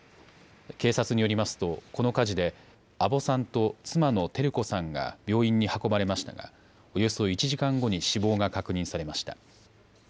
警察によりますとこの火事で阿保さんと妻の照子さんが病院に運ばれましたがおよそ１時間後に死亡が確認されました。